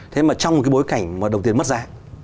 thế mà trong một cái bối cảnh mà đồng tiền mất giá